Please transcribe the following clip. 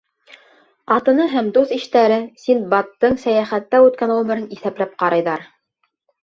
Ҡатыны һәм дуҫ-иштәре Синдбадтың сәйәхәттә үткән ғүмерен иҫәпләп ҡарайҙар.